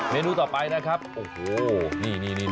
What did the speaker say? นูต่อไปนะครับโอ้โหนี่